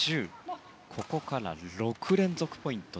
ここから６連続ポイント。